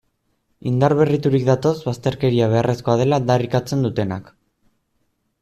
Indar berriturik datoz bazterkeria beharrezkoa dela aldarrikatzen dutenak.